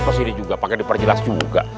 ke sini juga pake diperjelas juga